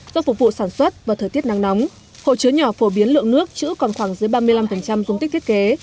do phục vụ sản xuất và thời tiết nắng nóng hồ chứa nhỏ phổ biến lượng nước chữ còn khoảng dưới ba mươi năm dung tích thiết kế